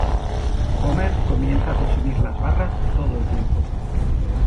Homer comienza a consumir las barras todo el tiempo.